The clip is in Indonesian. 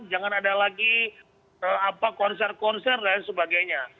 jangan ada lagi konser konser dan sebagainya